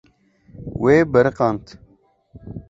Wê biriqand.